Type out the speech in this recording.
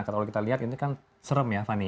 kalau kita lihat ini kan serem ya fani